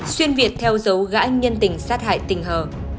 xuyên việt theo dấu gã nhân tình sát hại tình hờ